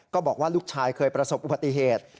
บอกว่าลูกชายเคยประสบอุบัติเหตุ